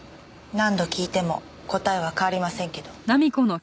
何度聞いても答えは変わりませんけど。